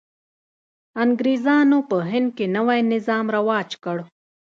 انګرېزانو په هند کې نوی نظام رواج کړ.